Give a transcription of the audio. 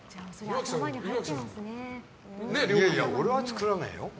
いやいや、俺は作らないよ。